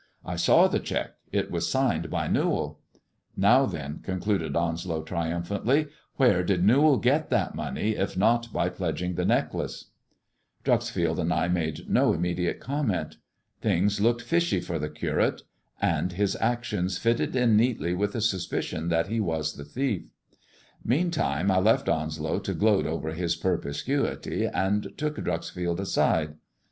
I saw the cheque, was signed by Newall. Now then," concluded Onslow iumphantly, " where did Newall get that money if not by lodging the necklace 1 " Dreuxfield and I made no immediate comment. Things »oked fishy for the Curate, and his actions fitted in neatly ith the suspicion that he was the thief. Meantime I left nslow to gloat over his perspicuity, and took Dreuxfield side.